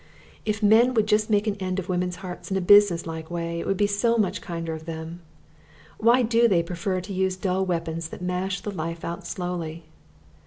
If men would just make an end of women's hearts in a businesslike way, it would be so much kinder of them. Why do they prefer to use dull weapons that mash the life out slowly?